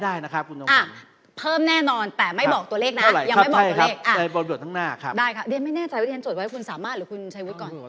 ได้ครับแต่ไม่แน่ใจว่าที่ทีนั้นจดไว้คุณสามารถหรือคุณชัยวุฒิก่อน